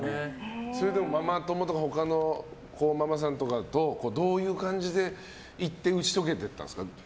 それでもママ友とかとどういう感じで行って打ち解けていったんですか？